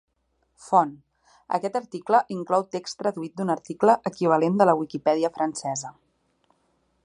Font: "Aquest article inclou text traduït d'un article equivalent de la Wikipedia francesa".